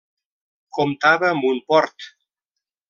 Comptava amb un port.